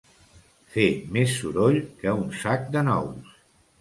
Fer més soroll que un sac de nous.